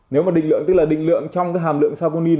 nếu mà định lượng tức là định lượng trong hàm lượng savumin